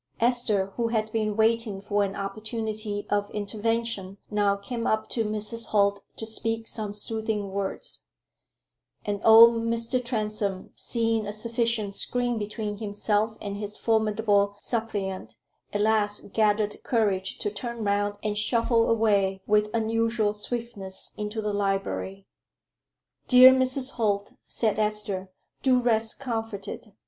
Esther, who had been waiting for an opportunity of intervention, now came up to Mrs. Holt to speak some soothing words; and old Mr. Transome, seeing a sufficient screen between himself and his formidable suppliant, at last gathered courage to turn round and shuffle away with unusual swiftness into the library. "Dear Mrs. Holt," said Esther, "do rest comforted.